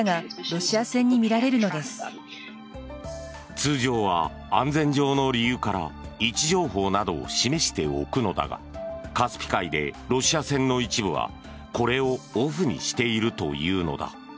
通常は安全上の理由から位置情報などを示しておくのだがカスピ海でロシア船の一部はこれをオフにしているというのだ。